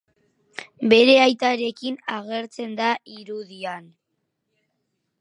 Bere aitarekin agertzen da irudian.